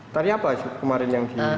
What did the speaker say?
tadi apa kemarin yang di